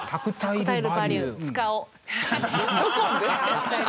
どこで？